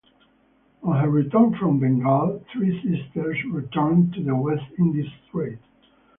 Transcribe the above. On her return from Bengal "Three Sisters" returned to the West Indies trade.